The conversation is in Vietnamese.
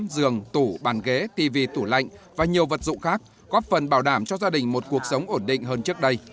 giường tủ bàn ghế tv tủ lạnh và nhiều vật dụng khác góp phần bảo đảm cho gia đình một cuộc sống ổn định hơn trước đây